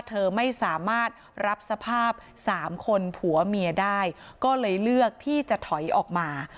เธอไม่สามารถรับสภาพสามคนผัวเมียได้ก็เลยเลือกที่จะถอยออกมา